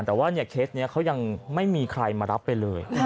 แต่ว่าเคสนี้เขายังไม่มีใครมารับไปเลย